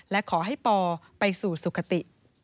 และขอให้ปอไปสู่สุขติ